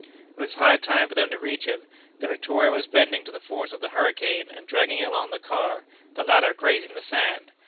It was high time for them to reach it. The Victoria was bending to the force of the hurricane, and dragging along the car, the latter grazing the sand.